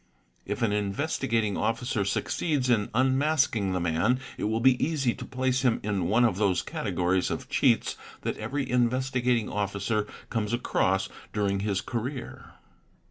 If an Investigating _ Officer succeeds in unmasking the man it will be easy to place him in one _ of those categories of cheats that every Investigating Officer comes across during his career.